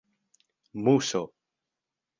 muso